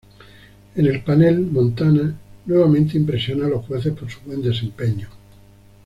En el panel, Montana nuevamente impresiona a los jueces por su buen desempeño.